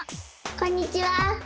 こんにちは！